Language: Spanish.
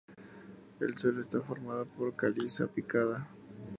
El suelo está formado por caliza picada.